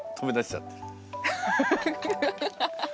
ハハハハ。